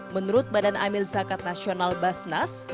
menurut badan amil zakat nasional basnas